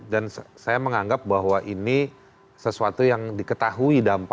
dan saya menganggap bahwa ini sesuatu yang diketahui dampaknya